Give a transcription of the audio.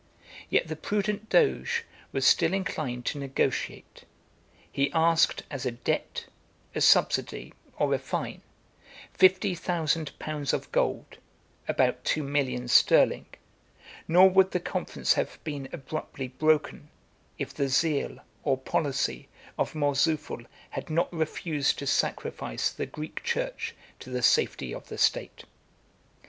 Yet the prudent doge was still inclined to negotiate: he asked as a debt, a subsidy, or a fine, fifty thousand pounds of gold, about two millions sterling; nor would the conference have been abruptly broken, if the zeal, or policy, of Mourzoufle had not refused to sacrifice the Greek church to the safety of the state.